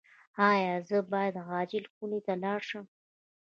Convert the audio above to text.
ایا زه باید عاجل خونې ته لاړ شم؟